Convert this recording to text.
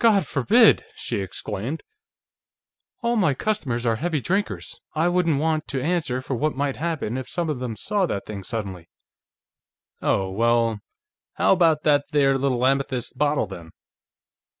"God forbid!" she exclaimed. "All my customers are heavy drinkers; I wouldn't want to answer for what might happen if some of them saw that thing, suddenly." "Oh, well.... How about that there little amethyst bottle, then?"